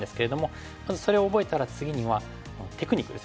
まずそれを覚えたら次にはテクニックですよね。